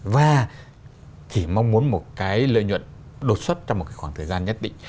và chỉ mong muốn một cái lợi nhuận đột xuất trong một cái khoảng thời gian nhất định